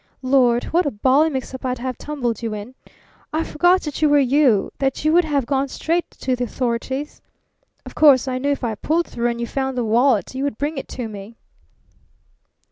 Lord, what a bally mix up I'd have tumbled you in! I forgot that you were you, that you would have gone straight to the authorities. Of course I knew if I pulled through and you found the wallet you would bring it to me."